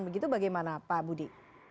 begitu bagaimana pak budi